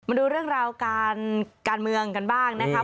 มาดูเรื่องราวการเมืองกันบ้างนะครับ